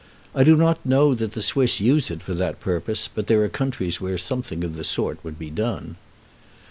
I do not know that the Swiss use it for that purpose, but there are countries where something of the sort would be done.